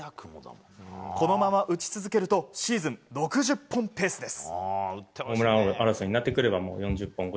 このまま打ち続けると６０本ペースです。